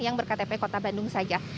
yang ber ktp kota bandung saja